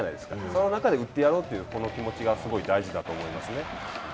その中で、打ってやろうというこの気持ちがすごい大事だと思いますね。